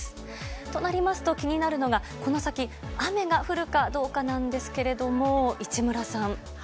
となりますと気になるのがこの先雨が降るかどうかなんですが市村さん。